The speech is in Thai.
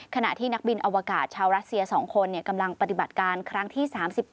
ขณะที่นักบินอวกาศชาวรัสเซีย๒คนกำลังปฏิบัติการครั้งที่๓๘